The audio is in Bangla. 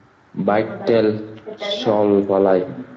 বাইক ঠেল, চল পালাই।